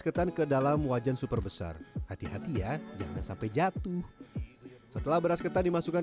ketan ke dalam wajan super besar hati hati ya jangan sampai jatuh setelah beras ketan dimasukkan